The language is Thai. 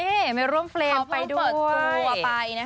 เขาเพิ่งเปิดตัวไป